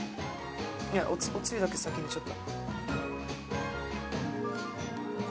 おつゆだけ先にちょっと。